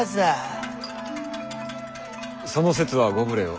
その節はご無礼を。